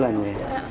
lima bulan ya